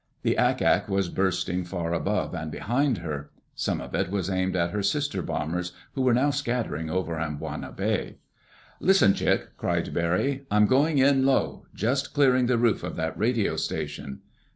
The ack ack was bursting far above and behind her. Some of it was aimed at her sister bombers who were now scattering over Amboina Bay. "Listen, Chick!" cried Barry. "I'm going in low—just clearing the roof of that radio station."